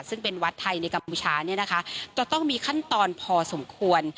ซึ่งเป็นวัดไทยในกัมพูชาจะต้องมีขั้นตอนพอสมควร